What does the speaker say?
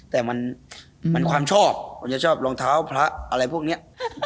แต่มันความชอบมันจะชอบรองเท้าพระอะไรพวกนี้